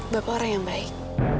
bapak orang yang baik